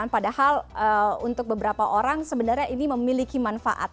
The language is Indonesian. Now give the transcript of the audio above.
padahal untuk beberapa orang sebenarnya ini memiliki manfaat